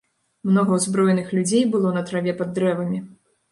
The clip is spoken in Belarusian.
Многа ўзброеных людзей было на траве пад дрэвамі.